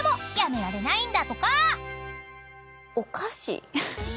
お菓子。